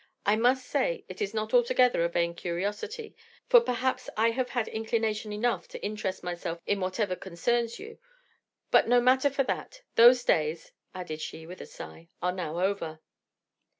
I may say it is not altogether a vain curiosity, for perhaps I have had inclination enough to interest myself in whatever concerns you; but no matter for that: those days (added she with a sigh) are now over."